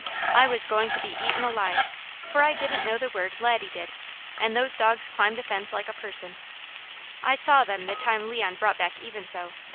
I was going to be eaten alive, for I didn't know the word Laddie did; and those dogs climbed a fence like a person; I saw them the time Leon brought back Even So.